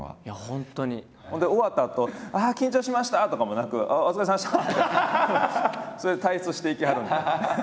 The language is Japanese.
ほんで終わったあと「ああ緊張しました！」とかもなく「あっお疲れさまでした」ってそれで退出していきはるんで。